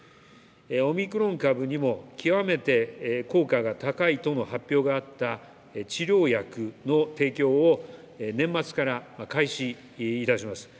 オミクロン株にも極めて効果が高いとの発表があった治療薬の提供を年末から開始いたします。